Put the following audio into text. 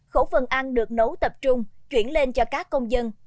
khẩu phần ăn được nấu tập trung chuyển lên cho các công dân